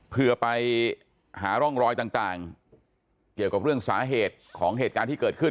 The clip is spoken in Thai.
เพื่อไปหาร่องรอยต่างเกี่ยวกับเรื่องสาเหตุของเหตุการณ์ที่เกิดขึ้น